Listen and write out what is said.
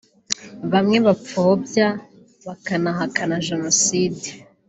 bamwe bapfobya bakanahakana jenoside